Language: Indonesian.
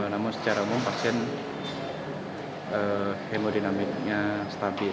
namun secara umum pasien hemodinamiknya stabil